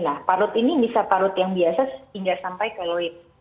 nah parut ini bisa parut yang biasa hingga sampai ke loid